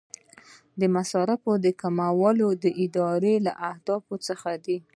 د مصارفو کموالی د ادارې له اهدافو څخه دی.